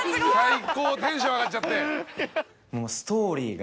最高テンション上がっちゃって。